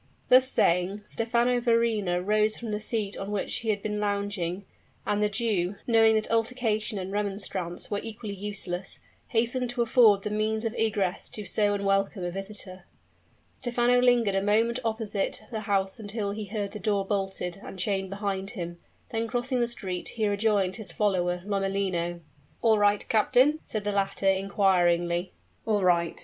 Thus saying, Stephano Verrina rose from the seat on which he had been lounging; and the Jew, knowing that altercation and remonstrance were equally useless, hastened to afford the means of egress to so unwelcome a visitor. Stephano lingered a moment opposite the house until he heard the door bolted and chained behind him; then crossing the street, he rejoined his follower, Lomellino. "All right, captain?" said the latter, inquiringly. "All right!"